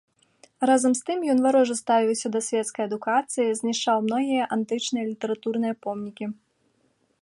Разам з тым ён варожа ставіўся да свецкай адукацыі, знішчаў многія антычныя літаратурныя помнікі.